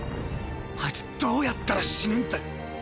あいつどうやったら死ぬんだよ。